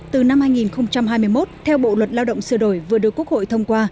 từ năm hai nghìn hai mươi một theo bộ luật lao động sửa đổi vừa được quốc hội thông qua